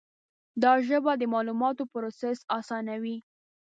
دا ژبه د معلوماتو پروسس آسانوي.